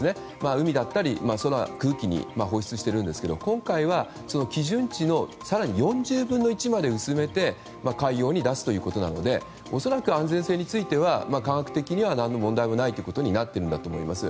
海だったり、空、空気に放出しているんですが今回は基準値の更に４０分の１まで薄めて海洋に出すということなので恐らく安全性については科学的には何の問題もないということになってると思います。